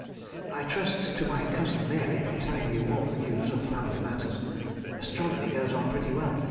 I trust to my cousin Mary for telling you all the news of family matters. Astronomy goes on pretty well.